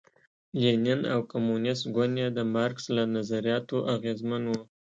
لینین او کمونېست ګوند یې د مارکس له نظریاتو اغېزمن و.